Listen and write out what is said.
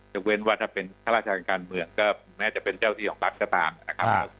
เว้นว่าถ้าเป็นข้าราชการการเมืองก็แม้จะเป็นเจ้าที่ของรัฐก็ตามนะครับ